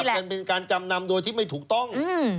มันเหมือนกับเป็นการจำนำโดยที่ไม่ถูกต้อง